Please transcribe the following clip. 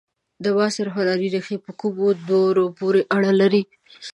د معاصر هنر ریښې په کومو دورو پورې اړه لري؟